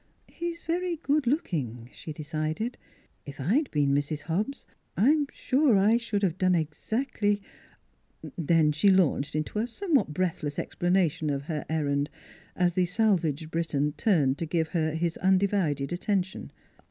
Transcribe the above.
" He's very good looking," she decided. " If I had been Mrs. Hobbs I'm sure I should have done exactly " Then she launched into a somewhat breathless explanation of her errand, as the salvaged Briton turned to give her his undivided attention.